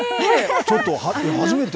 ちょっと初めて。